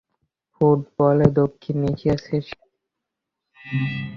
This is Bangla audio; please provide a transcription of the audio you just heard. ফুটবলে দক্ষিণ এশিয়ার শ্রেষ্ঠত্ব পেয়েছে।